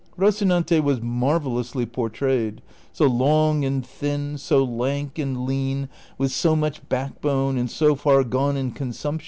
'^ Eocinante was marvellously portrayed, so long and thin, so lank and lean, with so much backbone and so far gone in consumption, that ' J.